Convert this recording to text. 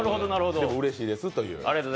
でもうれしいですという。